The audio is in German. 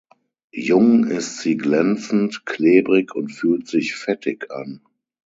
Jung ist sie glänzend, klebrig und fühlt sich fettig an.